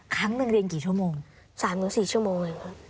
ครั้งหนึ่งเรียนกี่ชั่วโมง๓๔ชั่วโมง